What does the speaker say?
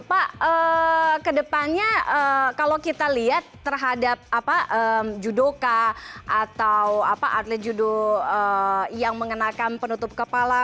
pak kedepannya kalau kita lihat terhadap judoka atau atlet judo yang mengenakan penutup kepala